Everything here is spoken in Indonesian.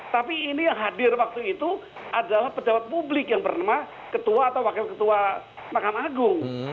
tapi ini yang hadir waktu itu adalah pejabat publik yang bernama ketua atau wakil ketua makam agung